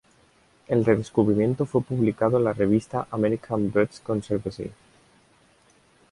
El redescubrimiento fue publicado en la revista American Birds Conservancy.